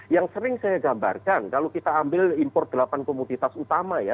yang sering saya gambarkan kalau kita ambil impor delapan komoditas utama ya